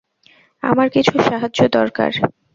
আমার কিছু সাহায্য দরকার!